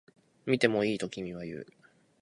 見てもいい？と君は言う